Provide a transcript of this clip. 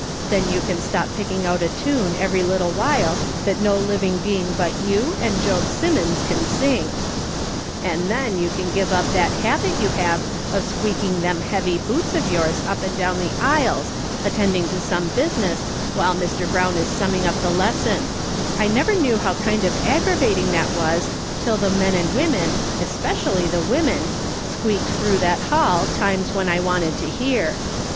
Then you can stop picking out a tune every little while that no living being but you and Job Simmons can sing. And then you can give up that habit you have of squeaking them heavy boots of yours up and down the aisles, attending to some business while Mr. Brown is summing up the lesson ; I never knew how kind of aggravating that was till the men and women, especially the women, squeaked through that Hall times when I wanted to hear.